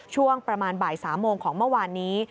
ช่วงประมาณบ่าย๓โมงของเมื่อวานนี้